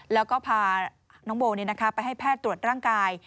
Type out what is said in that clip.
แล้วก็พาน้องโบไปให้แพทย์ตรวจร่างกาย